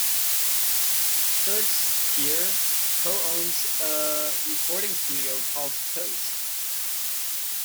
Philip Steir co-owns a recording studio called Toast.